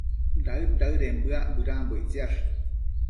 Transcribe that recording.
daëd-daëden bëac bedambo ictsiash